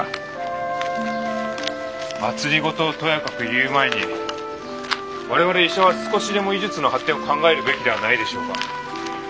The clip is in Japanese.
政をとやかく言う前に我々医者は少しでも医術の発展を考えるべきではないでしょうか？